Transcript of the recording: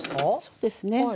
そうですね。